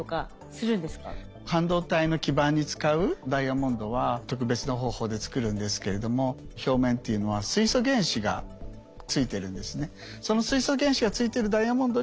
半導体の基板に使うダイヤモンドは特別な方法でつくるんですけれども表面というのは水素原子がついてるんですね。